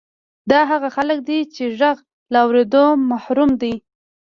دا هغه خلک دي چې د غږ له اورېدو محروم دي